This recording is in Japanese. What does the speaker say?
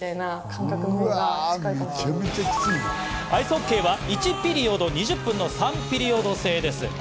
アイスホッケーは１ピリオド２０分の３ピリオド制です。